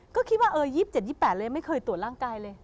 ก็คิดว่า๒๗๒๘เลยไม่เคยตรวจร่างกายเลย